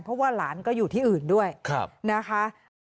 เพราะว่าหลานก็อยู่ที่อื่นด้วยนะคะ